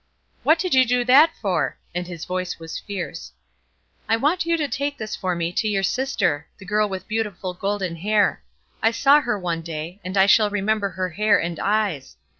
"What did you do that for?" And his voice was fierce. "I want you to take this for me to your sister the girl with beautiful golden hair; I saw her one day, and I shall remember her hair and eyes.